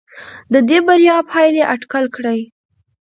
د دې بریا پایلې اټکل کړي.